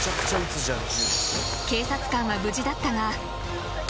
［警察官は無事だったが］